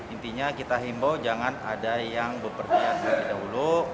intinya kita himbau jangan ada yang berpergian lebih dahulu